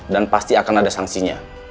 dan pasti akan ada sangsinya